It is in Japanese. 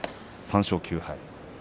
３勝９敗。